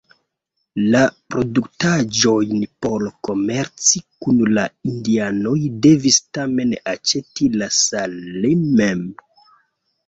La produktaĵojn por komerci kun la Indianoj devis tamen aĉeti La Salle mem.